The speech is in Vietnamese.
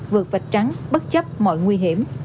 vượt vạch trắng bất chấp mọi nguy hiểm